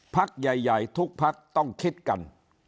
ภักดิ์ใหญ่ทุกภักดิ์ต้องคิดกัน